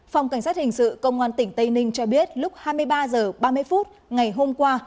phòng cảnh sát hình sự công an tỉnh tây ninh cho biết lúc hai mươi ba h ba mươi phút ngày hôm qua